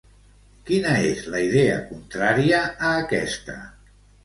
Quina és la idea contrària a aquesta?